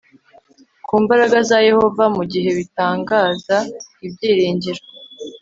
ku mbaraga za yehova mu gihe batangaza ibyiringiro